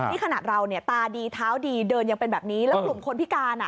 นี่ขนาดเราเนี่ยตาดีเท้าดีเดินยังเป็นแบบนี้แล้วกลุ่มคนพิการอ่ะ